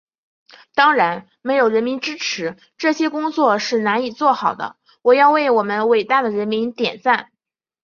当然，没有人民支持，这些工作是难以做好的，我要为我们伟大的人民点赞。